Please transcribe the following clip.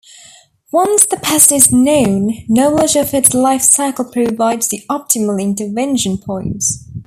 Once the pest is known, knowledge of its lifecycle provides the optimal intervention points.